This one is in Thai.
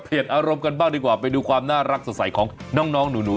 เปลี่ยนอารมณ์กันบ้างดีกว่าไปดูความน่ารักสวัสดิ์ของน้องหนู